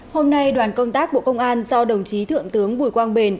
hôm nay đoàn công tác bộ công an do đồng chí thượng tướng bùi quang bền